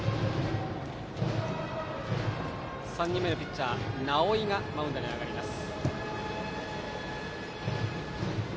３人目のピッチャー、直井がマウンドに上がります。